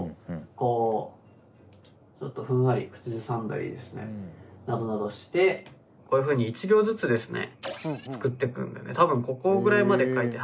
こうちょっとふんわり口ずさんだりですねなどなどしてこういうふうに１行ずつですね作ってくんでね多分ここぐらいまで書いて。